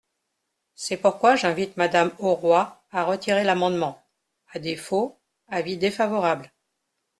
C’est pourquoi j’invite Madame Auroi à retirer l’amendement ; à défaut, avis défavorable.